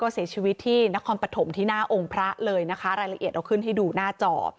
เสียชีวิตที่นครปฐมที่หน้าองค์พระเลยนะคะรายละเอียดเราขึ้นให้ดูหน้าจอ